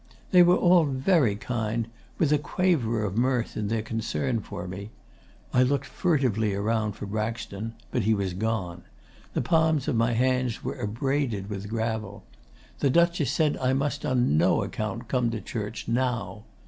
They were all very kind, with a quaver of mirth in their concern for me. I looked furtively around for Braxton, but he was gone. The palms of my hands were abraded with gravel. The Duchess said I must on no account come to church NOW.